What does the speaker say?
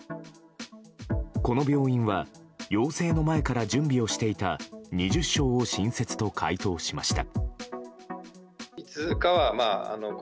この病院は要請の前から準備していた２０床を新設と回答しました。